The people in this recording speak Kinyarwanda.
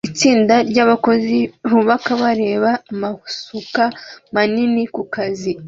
Itsinda ryabakozi bubaka bareba amasuka manini kukazi